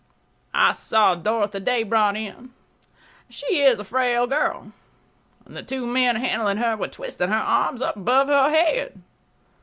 I saw Dorothy Day brought in. She is a frail girl. The two men handling her were twisting her arms above her head.